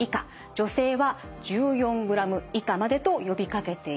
女性は１４グラム以下までと呼びかけています。